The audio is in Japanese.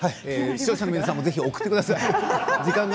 視聴者の皆さんもぜひ送ってください。